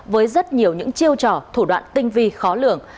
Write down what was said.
với rất nhiều những chiêu trò thủ đoạn tinh vi khó lường